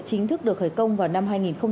chính thức được khởi công vào năm hai nghìn bảy